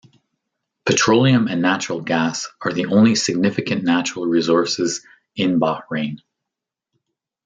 Petroleum and natural gas are the only significant natural resources in Bahrain.